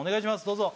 どうぞ。